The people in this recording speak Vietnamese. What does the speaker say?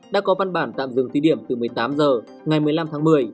đã có văn bản tạm dừng thi điểm từ một mươi tám h ngày một mươi năm tháng một mươi